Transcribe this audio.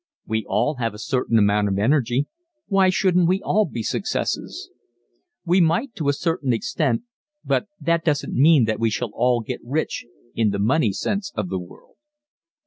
We all have a certain amount of energy ... why shouldn't we all be successes? We might to a certain extent, but that doesn't mean that we shall all get rich in the money sense of the world.